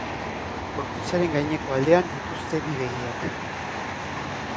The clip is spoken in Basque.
Gorputzaren gaineko aldean dituzte bi begiak.